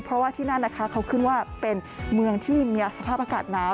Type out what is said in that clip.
เพราะว่าที่นั่นนะคะเขาขึ้นว่าเป็นเมืองที่มีสภาพอากาศหนาว